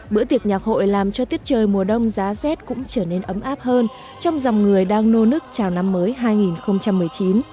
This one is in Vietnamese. bữa tiệc nhạc hội làm cho tiết trời mùa đông giá rét cũng trở nên ấm áp hơn trong dòng người đang nô nức chào năm mới hai nghìn một mươi chín